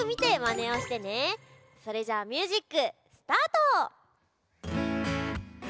それじゃあミュージックスタート！